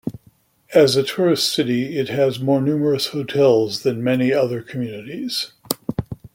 As a tourist city, it has more numerous hotels than many other communities.